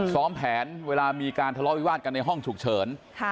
ซ้อมแผนเวลามีการทะเลาะวิวาสกันในห้องฉุกเฉิน